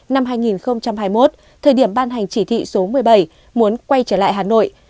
năm hai nghìn hai mươi một thời điểm ban hành chỉ thị số một mươi bảy muốn quay trở lại hà nội